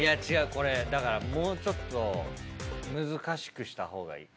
これだからもうちょっと難しくした方がいい。